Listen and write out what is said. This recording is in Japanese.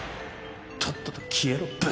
とっとと消えろブス！